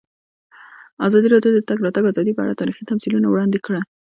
ازادي راډیو د د تګ راتګ ازادي په اړه تاریخي تمثیلونه وړاندې کړي.